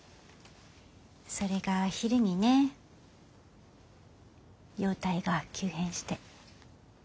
それが昼にね容体が急変して。